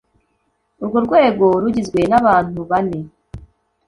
Urwo rwego rugizwe n abantu bane